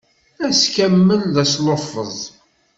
Ass kamel d asluffeẓ.